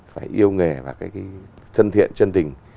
phải yêu nghề và thân thiện chân tình